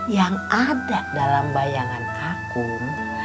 yang ada dalam bayangan akun